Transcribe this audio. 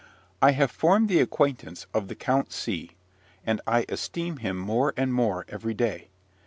I have formed the acquaintance of the Count C and I esteem him more and more every day.